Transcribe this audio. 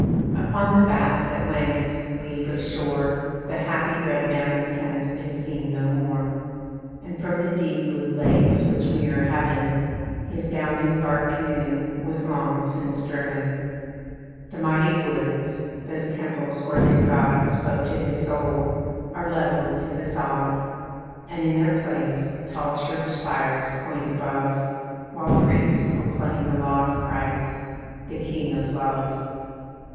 Upon the vast Atlantic's leagues of shore The happy red man's tent is seen no more; And from the deep blue lakes which mirror heaven His bounding bark canoe was long since driven. The mighty woods, those temples where his God Spoke to his soul, are leveled to the sod; And in their place tall church spires point above, While priests proclaim the law of Christ, the King of Love.